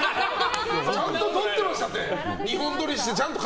ちゃんと撮ってましたよ！